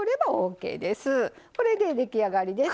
これで出来上がりです。